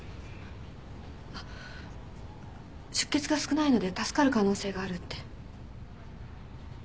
あっ出血が少ないので助かる可能性があるって。